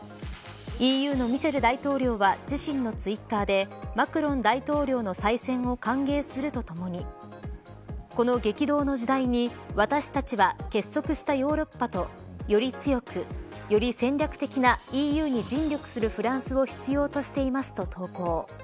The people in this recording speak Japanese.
ＥＵのミシェル大統領は自身のツイッターでマクロン大統領の再選を歓迎するとともにこの激動の時代に私たちは結束したヨーロッパとより強く、より戦略的なＥＵに尽力するフランスを必要としていますと投稿。